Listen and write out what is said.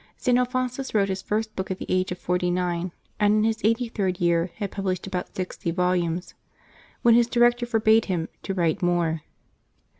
St. Alphonsus wrote his first book at the age of forty nine, and in his eighty third year had published about sixty volumes, when his director forbade him to write more.